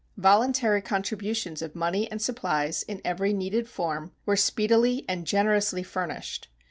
Voluntary contributions of money and supplies, in every needed form, were speedily and generously furnished.